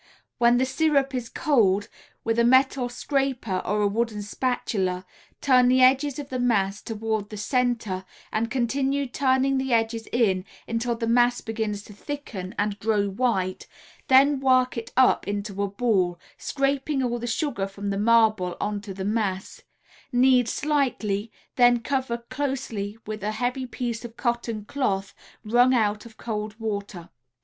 When the syrup is cold, with a metal scraper or a wooden spatula, turn the edges of the mass towards the center, and continue turning the edges in until the mass begins to thicken and grow white, then work it up into a ball, scraping all the sugar from the marble onto the mass; knead slightly, then cover closely with a heavy piece of cotton cloth wrung out of cold water.